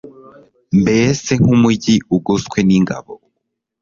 mbese nk'umugi ugoswe n'ingabo